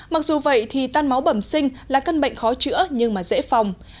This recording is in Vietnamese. mặc dù vậy thì tan máu bẩm sinh là căn bệnh khó chữa nhưng mà dễ phòng